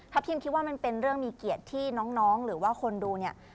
คิมคิดว่ามันเป็นเรื่องมีเกียรติที่น้องหรือว่าคนดูเนี่ย